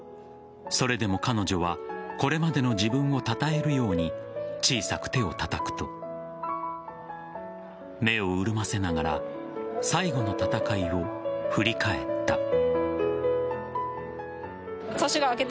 それでも彼女はこれまでの自分をたたえるように小さく手をたたくと目を潤ませながら最後の戦いを振り返った。